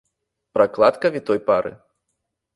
Прокладка витой пары